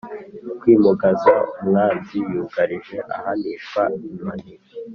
kwimugaza umwanzi yugarije ahanishwa inkoni